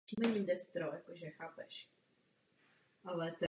Nastupoval povětšinou na postu záložníka.